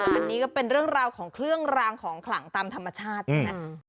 อันนี้ก็เป็นเรื่องราวของเครื่องรางของขลังตามธรรมชาติใช่ไหม